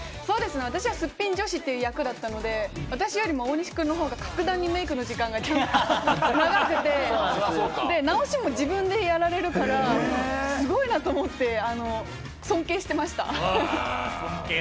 私はすっぴん女子という役だったので、私よりも大西くんの方が格段にメークの時間が長くて、直しも自分でやられるから、すごいなと思って尊敬してました。